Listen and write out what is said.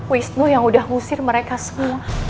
wisnu yang udah ngusir mereka semua